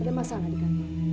ada masalah di kaki